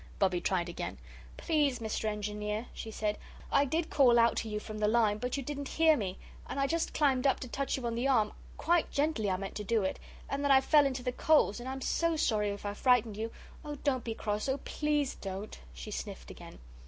Bobbie tried again. "Please, Mr. Engineer," she said, "I did call out to you from the line, but you didn't hear me and I just climbed up to touch you on the arm quite gently I meant to do it and then I fell into the coals and I am so sorry if I frightened you. Oh, don't be cross oh, please don't!" She sniffed again.